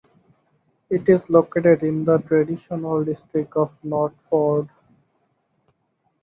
It is located in the traditional district of Nordfjord.